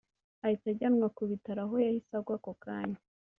ahita ajyanwa ku bitaro aho yahise agwa ako kanya